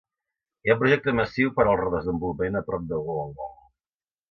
Hi ha un projecte massiu per al redesenvolupament a prop de Wollongong.